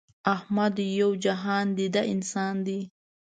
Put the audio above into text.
احمد یو جهان دیده انسان دی.